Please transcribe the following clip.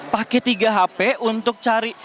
pakai tiga hp untuk cari